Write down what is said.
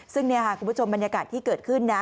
ซึ่งนี่ค่ะคุณผู้ชมบรรยากาศที่เกิดขึ้นนะ